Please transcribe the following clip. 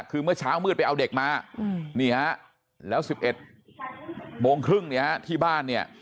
คือเมื่อเช้ามืดไปเอาเด็กมานี่ฮะแล้ว๑๑โมงครึ่งเนี่ยฮะที่บ้านเนี่ย